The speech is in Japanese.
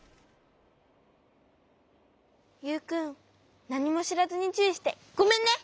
ユウくんなにもしらずにちゅういしてごめんね。